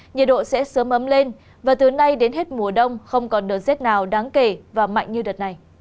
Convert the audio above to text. nhiệt độ sẽ sớm ấm lên và từ nay đến hết mùa đông không còn đợt rét nào đáng kể và mạnh như đợt này